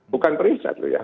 bukan periset loh ya